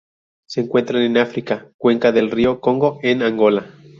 Se encuentran en África: cuenca del río Congo en Angola.